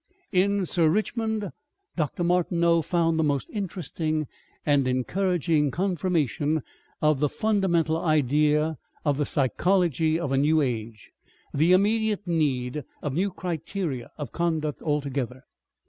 In Sir Richmond, Dr. Martineau found the most interesting and encouraging confirmation of the fundamental idea of THE PSYCHOLOGY OF A NEW AGE, the immediate need of new criteria of conduct altogether.